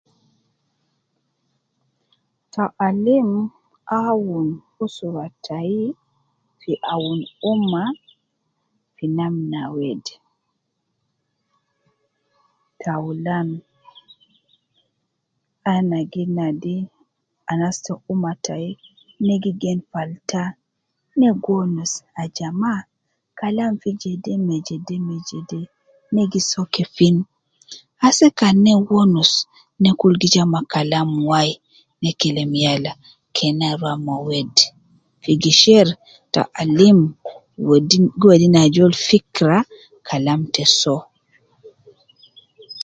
Ta alim awun usra tai fi awun umma fi namna wede , taulan, ana gi nadi anas te umma tai ne gi gai falta, ne gi wonus ajama kalam fi jede me jede me jede, ne gi soo kefin, ase kan ne gi wonus ,ne kul gi ja ma Kalam wai, ne kelem yala ,kena rua me wede fi gisheri ta alim we gi wedi ne ajol fikra kalam te soo